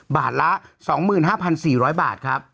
บาทละ๒๕๔๐๐บาทครับ